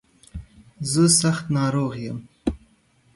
زه سخت ناروغ يم.